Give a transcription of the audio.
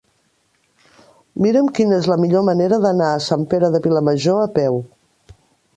Mira'm quina és la millor manera d'anar a Sant Pere de Vilamajor a peu.